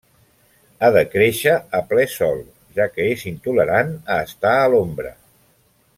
Ha de créixer a ple sol, ja que és intolerant a estar a l'ombra.